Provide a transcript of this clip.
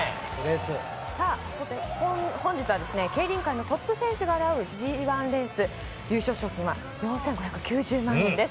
本日は競輪界のトップ選手が争うＧ１レース、優勝賞金は４５９０万円です。